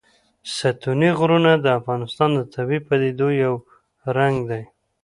ستوني غرونه د افغانستان د طبیعي پدیدو یو رنګ دی.